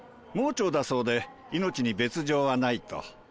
盲腸だそうで命に別状はないと。